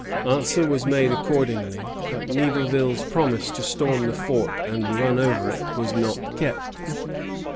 _] Answer was made accordingly, but Niverville's promise to storm the fort and "run over it" was not kept.